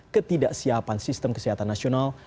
ketidaksiapan sistem kesehatan nasional